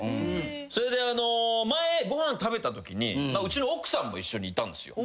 それで前ご飯食べたときにうちの奥さんも一緒にいたんですよ。